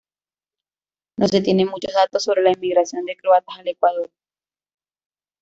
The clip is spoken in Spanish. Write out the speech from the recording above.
No se tienen muchos datos sobre la inmigración de croatas al Ecuador.